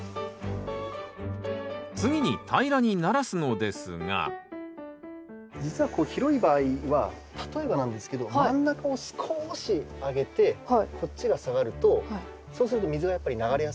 次に平らにならすのですが実はこう広い場合は例えばなんですけど真ん中を少し上げてこっちが下がるとそうすると水がやっぱり流れやすくなるので。